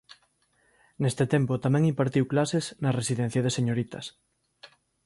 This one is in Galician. Neste tempo tamén impartiu clases na Residencia de Señoritas.